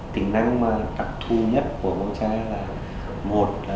tính năng đặc thù nhất của mocha là